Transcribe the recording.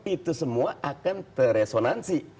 itu semua akan teresonansi